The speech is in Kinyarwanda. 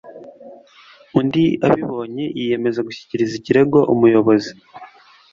Undi abibonye yiyemeza gushyikiriza ikirego umuyobozi